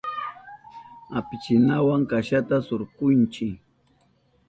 Apichinawa kashata surkunchi.